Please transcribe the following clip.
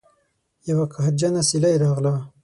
یوه قهرجنه سیلۍ راغله